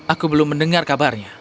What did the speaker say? aku belum mendengar kabarnya